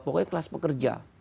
pokoknya kelas pekerja